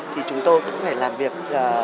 thì chúng tôi cũng phải làm việc